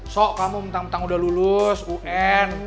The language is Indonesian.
so kamu mentang mentang udah lulus un